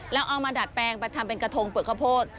แล้วเอามาดัดแปลงไปทำเป็นกระทงเปลือกข้าวโพด